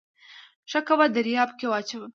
ښه کوه دریاب کې واچوه